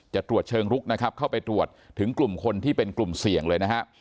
จะตรวจเชิงลุกนะครับเข้าไปตรวจถึงกลุ่มคนที่เป็นกลุ่มเสี่ยงเลยนะฮะ